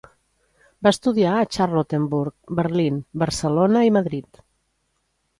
Va estudiar a Charlottenburg (Berlín), Barcelona i Madrid.